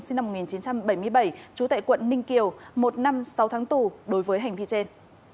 sinh năm một nghìn chín trăm bảy mươi bảy trú tại quận ninh kiều một năm sáu tháng tù đối với hành vi trên